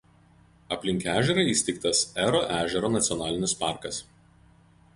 Aplink ežerą įsteigtas Ero ežero nacionalinis parkas.